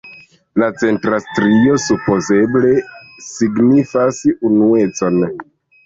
La centra strio supozeble signifas unuecon.